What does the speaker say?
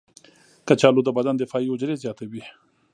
کچالو د بدن دفاعي حجرې زیاتوي.